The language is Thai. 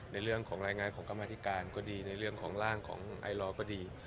ในเรื่องของรายงานของกรรมธิการก็ดีในเรื่องของร่างของไอลอร์ก็ดี